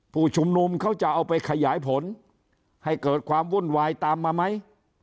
ผู้ชุมนุมเขาจะเอาไปขยายผลให้เกิดความวุ่นวายตามมาไหม